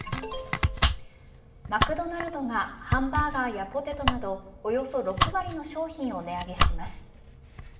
マクドナルドがハンバーガーやポテトなど、およそ６割の商品を値上げします。